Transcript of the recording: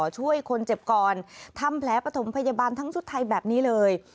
ช่วยคนเจ็บก่อนทำแผลปฐมพยาบาลทั้งชุดไทยแบบนี้เลย